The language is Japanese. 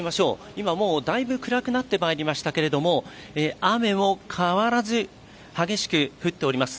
今、だいぶくらくなってきましたけれども雨も変わらず激しく降っております。